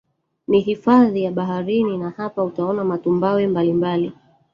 Ni hifadhi ya baharini na hapa utaona matumbawe mbalimbali